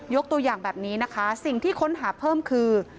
ตัวอย่างแบบนี้นะคะสิ่งที่ค้นหาเพิ่มคือ